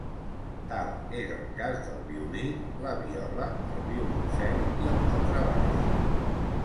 Tal és el cas del violí, la viola, el violoncel i el contrabaix.